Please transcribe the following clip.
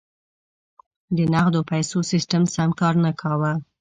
د نغدو پیسو سیستم سم کار نه کاوه.